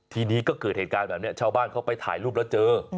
ทีนี้ก็เกิดเหตุการณ์แบบนี้ชาวบ้านเขาไปถ่ายรูปแล้วเจอ